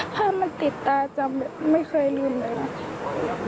ถ้ามันติดตาจะไม่เคยลืมเลยค่ะ